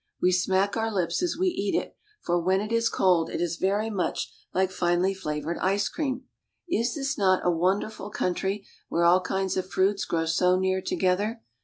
We smack our lips as we eat it, for when it is cold it is very much like finely flavored ice cream. Is this not a wonderful country where all kinds of fruits grow so near together?